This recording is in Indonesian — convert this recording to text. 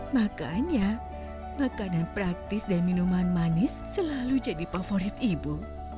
makanya makanan praktis dan minuman manis selalu jadi favorit ibu